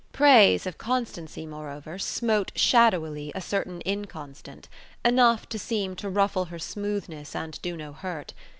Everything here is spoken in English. Praise of constancy, moreover, smote shadowily a certain inconstant, enough to seem to ruffle her smoothness and do no hurt.